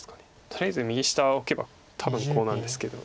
とりあえず右下をオケば多分コウなんですけど。